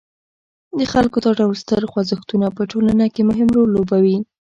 د خلکو دا ډول ستر خوځښتونه په ټولنه کې مهم رول لوبوي.